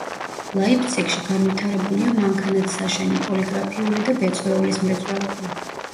ლაიფციგში განვითარებულია მანქანათსაშენი, პოლიგრაფიული და ბეწვეულის მრეწველობა.